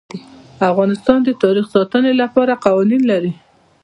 افغانستان د تاریخ د ساتنې لپاره قوانین لري.